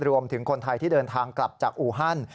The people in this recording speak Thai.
รวมถึงคนไทยที่เดินทางกลับจากอูฮัน